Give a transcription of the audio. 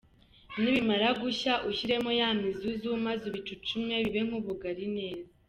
Nibimara gushya ushyiremo ya mizuzu maze ubicucume bibe nk’ubugali neza.